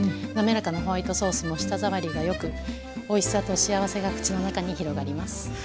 滑らかなホワイトソースも舌触りがよくおいしさと幸せが口の中に広がります。